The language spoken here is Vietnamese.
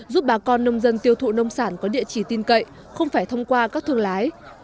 giúp bà con nông dân tiêu thụ nông sản có địa chỉ tin cậy không phải thông qua các thương lái